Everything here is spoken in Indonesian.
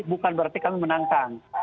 bukan berarti kami menantang